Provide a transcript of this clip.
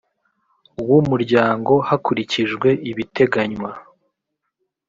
w umuryango hakurikijwe ibiteganywa